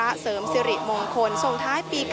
พาคุณผู้ชมไปติดตามบรรยากาศกันที่วัดอรุณราชวรรมหาวิหารค่ะ